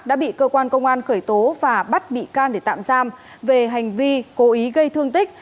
đã bị cơ quan công an khởi tố và bắt bị can để tạm giam về hành vi cố ý gây thương tích